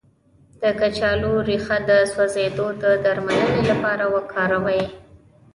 د کچالو ریښه د سوځیدو د درملنې لپاره وکاروئ